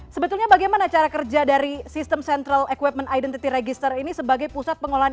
sebetulnya bagaimana cara kerja dari sistem central equipment identity register ini sebagai pusat pengolahan